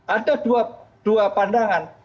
ada dua pandangan